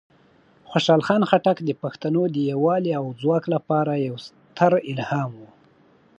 خوشحال خان خټک د پښتنو د یوالی او ځواک لپاره یوه ستره الهام وه.